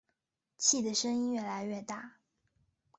气的声音越来越大